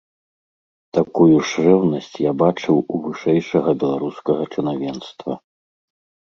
Такую ж рэўнасць я бачыў у вышэйшага беларускага чынавенства.